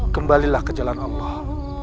kembalilah ke jalan allah